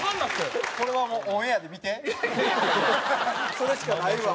それしかないわ。